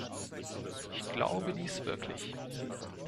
Ich glaube dies wirklich.